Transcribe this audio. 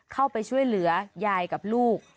เข้าไปช่วยเหลือยายกับลูก